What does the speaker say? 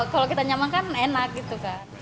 kalau kita nyaman kan enak gitu kan